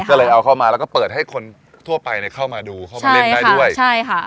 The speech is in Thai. ก็เลยเอาเข้ามาแล้วก็เปิดให้คนทั่วไปเนี่ยเข้ามาดูเข้ามาเล่นได้ด้วยใช่ค่ะ